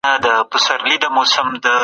څېړنه په لغت کې لټون او پلټني ته وايي.